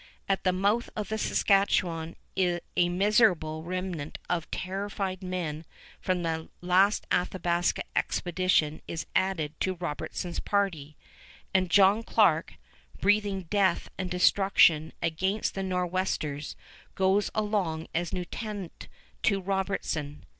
At the mouth of the Saskatchewan a miserable remnant of terrified men from the last Athabasca expedition is added to Robertson's party; and John Clarke, breathing death and destruction against the Nor'westers, goes along as lieutenant to Robertson.